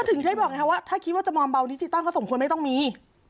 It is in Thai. ถึงได้บอกไงว่าถ้าคิดว่าจะมองเบาดิจิตอลก็สมควรไม่ต้องมี